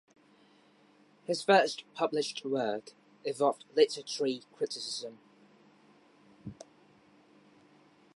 His first published work involved literary criticism.